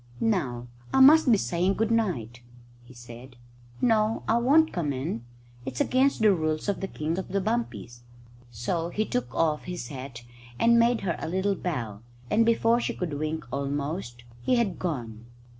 "Now I must be saying good night," he said. "No, I won't come in. It's against the rules for the King of the Bumpies." So he took off his hat and made her a little bow, and before she could wink almost, he had gone.